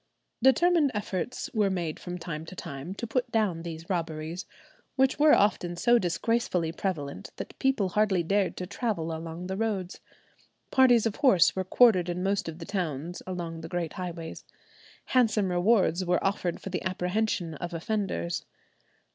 Determined efforts were made from time to time to put down these robberies, which were often so disgracefully prevalent that people hardly dared to travel along the roads. Parties of horse were quartered in most of the towns along the great highways. Handsome rewards were offered for the apprehension of offenders.